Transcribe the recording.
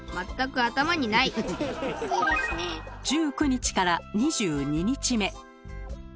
１９日から２２日目。